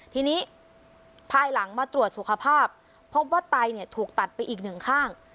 ทีนี้ภายหลังมาตรวจสุขภาพพบว่าไตเนี่ยถูกตัดไปอีกหนึ่งข้าง